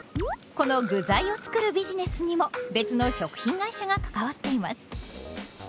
この具材を作るビジネスにも別の食品会社が関わっています。